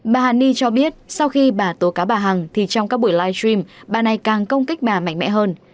bà hàn ni cho biết sau khi bà tố cáo bà hằng thì trong các buổi live stream bà này càng công kích bà mạnh mẽ hơn